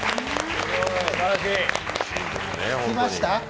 聞きました？